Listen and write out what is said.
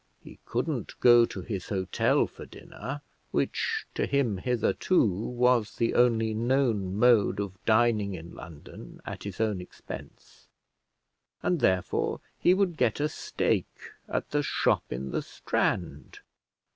He couldn't go to his hotel for dinner, which to him hitherto was the only known mode of dining in London at his own expense; and, therefore, he would get a steak at the shop in the Strand.